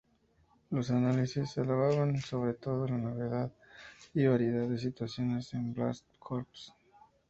Los análisis alababan sobre todo la novedad y variedad de situaciones en Blast Corps.